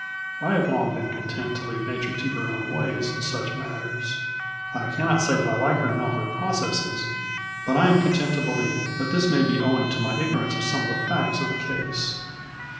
I have long been content to leave Nature to her own ways in such matters. I cannot say that I like her in all her processes, but I am content to believe that this may be owing to my ignorance of some of the facts of the case.